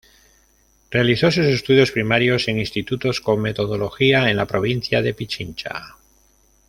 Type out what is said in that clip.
Realizó sus estudios primarios en institutos con metodología en la provincia de Pichincha.